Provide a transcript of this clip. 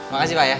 makasih pak ya